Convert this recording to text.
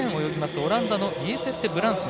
オランダのリエセッテ・ブランスマ。